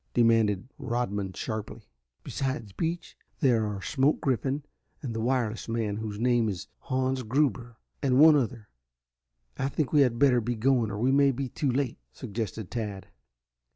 demanded Rodman sharply. "Besides Beach, there are Smoke Griffin and the wireless man, whose name is Hans Gruber, and one other. I think we had better be going or we may be too late," suggested Tad.